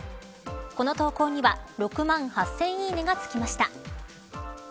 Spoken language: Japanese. この投稿には６万８０００いいねがつきました。